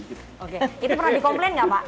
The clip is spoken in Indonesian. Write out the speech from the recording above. itu pernah dikomplain gak pak